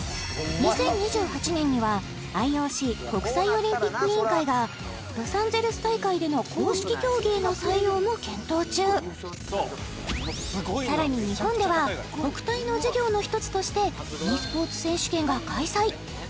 ２０２８年にはＩＯＣ国際オリンピック委員会がロサンゼルス大会での公式競技への採用も検討中さらに日本では国体の事業の一つとしてｅスポーツ選手権が開催